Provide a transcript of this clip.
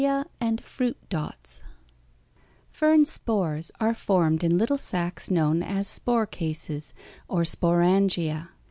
4] SPORÀNGIA AND FRUIT DOTS Fern spores are formed in little sacs known as spore cases or sporángia (Fig.